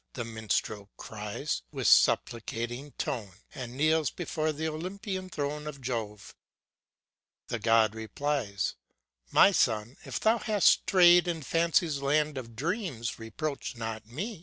The Minstrel cries, with supplicating tone, And kneels before th'Olympian throne of Jove. The God replies: ŌĆ×My son! if thou hast strayed In Fancy's land of dreams, reproach not me.